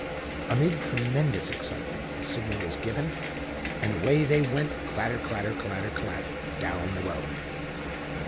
Amid tremendous excitement the signal was given, and away they went clatter, clatter, clatter, clatter! down the road.